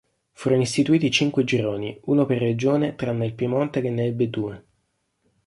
Furono istituiti cinque gironi, uno per Regione tranne il Piemonte che ne ebbe due.